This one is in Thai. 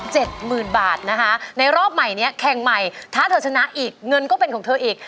หมื่นบาทนะคะในรอบใหม่เนี้ยแข่งใหม่ถ้าเธอชนะอีกเงินก็เป็นของเธออีก